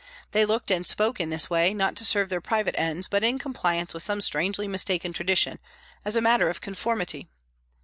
They looked and spoke in this way, not to serve their private ends, but in com pliance with some strangely mistaken tradition, as a matter of conformity.